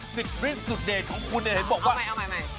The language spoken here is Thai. สุดฤทธิ์สุดเดชของคุณเนย์